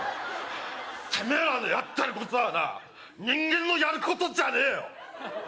てめえらのやってることはな人間のやることじゃねえよ